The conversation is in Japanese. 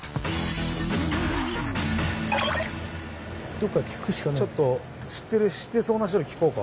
どこかで聞くしかない。